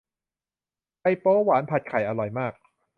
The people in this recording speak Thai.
ไชโป๊วหวานผัดไข่อร่อยมาก